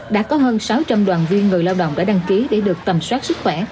đã có hơn sáu trăm linh đoàn viên người lao động đã đăng ký để được tầm soát sức khỏe